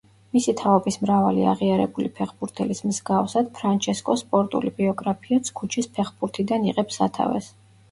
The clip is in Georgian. მისი თაობის მრავალი აღიარებული ფეხბურთელის მსგავსად, ფრანჩესკოს სპორტული ბიოგრაფიაც ქუჩის ფეხბურთიდან იღებს სათავეს.